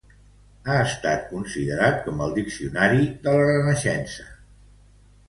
Ha estat considerat com el diccionari de la Renaixença.